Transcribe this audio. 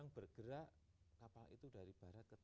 ini berjalan kapal dengan jadwal yang jelas